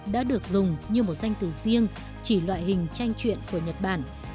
đã được dùng như một danh từ riêng chỉ loại hình tranh chuyện của nhật bản